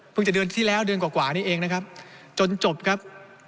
จะเดือนที่แล้วเดือนกว่านี้เองนะครับจนจบครับ